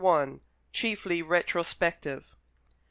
CHIEFLY RETROSPECTIVE.